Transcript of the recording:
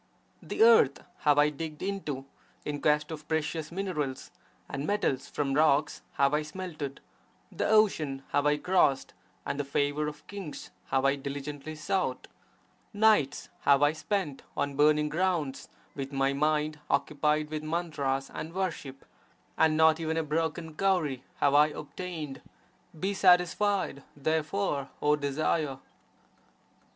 The earth have I digged into in quest of precious minerals, and metals from rocks have I smelted; the ocean have I crossed, and the favour of kings have I diligently sought; nights have I spent on burning grounds with my mind occupied with mantras and HUNDRED VERSES ON RENUNCIATION 9 worship; 1 and not even a broken cowrie have I obtained; be satisfied, therefore, oh Desire!